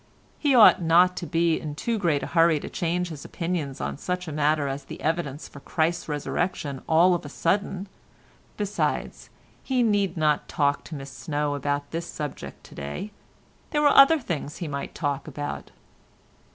He ought not to be in too great a hurry to change his opinions on such a matter as the evidence for Christ's Resurrection all of a sudden—besides he need not talk to Miss Snow about this subject to day—there were other things he might talk about.